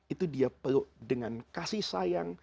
itu dia peluk dengan kasih sayang